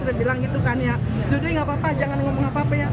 saya bilang gitu kan ya sudah dia gak apa apa jangan ngomong apa apa ya